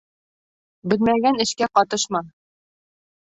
Белмәгән эшкә ҡатышма.